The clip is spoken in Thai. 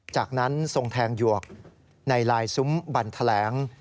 จากนั้นทรงแทงหยวกในลายซุ้มบันแถลง